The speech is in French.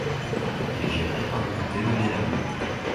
Il est géré par le comté de Lenawee.